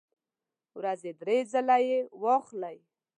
ورځې درې ځله یی واخلئ